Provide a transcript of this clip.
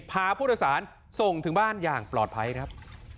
พาผู้โดยสารส่งถึงบ้านอย่างปลอดภัยครับ